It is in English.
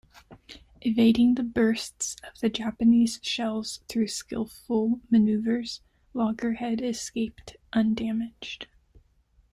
Evading the bursts of the Japanese shells through skillful maneuvers, "Loggerhead" escaped undamaged.